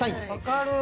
分かる。